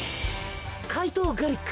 怪盗ガリック。